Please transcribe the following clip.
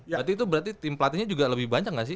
berarti itu berarti tim pelatihnya juga lebih banyak gak sih